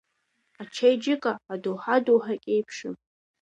Ачеиџьыка адоуҳа-доуҳак еиԥшым.